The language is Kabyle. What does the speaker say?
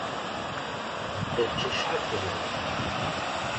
Ečč acḥal tebɣiḍ.